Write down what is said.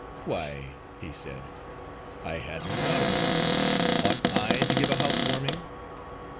"Why," he said, "I hadn't thought of it. Ought I to give a house warming?"